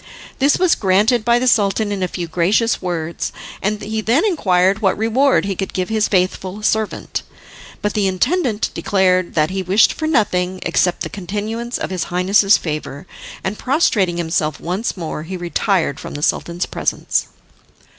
This was granted by the Sultan in a few gracious words, and he then inquired what reward he could give to his faithful servant. But the intendant declared that he wished for nothing except the continuance of his Highness's favour, and prostrating himself once more, he retired from the Sultan's presence.